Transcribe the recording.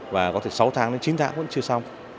và có thể sáu tháng đến chín tháng vẫn chưa xong